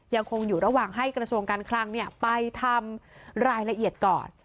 ยังคงอยู่ระหว่างให้กระทรวงการคลังไปทำรายละเอียดก่อน